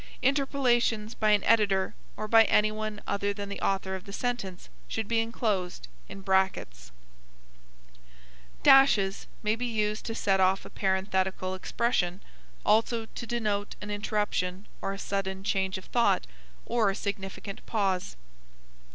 Interpolations by an editor or by anyone other than the author of the sentence should be inclosed in brackets []. Dashes () may be used to set off a parenthetical expression, also to denote an interruption or a sudden change of thought or a significant pause.